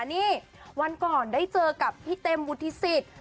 นี่วันก่อนได้เจอกับพี่เต็มวุฒิสิทธิ์